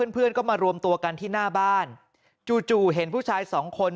เพื่อนก็มารวมตัวกันที่หน้าบ้านจู่เห็นผู้ชายสองคน